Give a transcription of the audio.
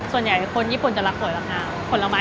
ส่วนใหญ่คนญี่ปุ่นจะรักสวยลำน้ำ